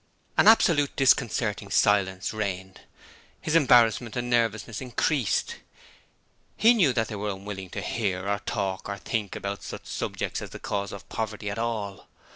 An absolute, disconcerting silence reigned. His embarrassment and nervousness increased. He knew that they were unwilling to hear or talk or think about such subjects as the cause of poverty at all.